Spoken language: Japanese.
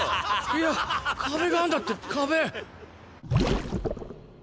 いや壁があんだって壁。